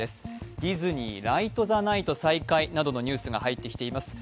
ディズニー・ライト・ザ・ナイト再開などのニュースが入ってきています。